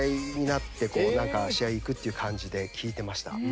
っていう感じで聴いてました。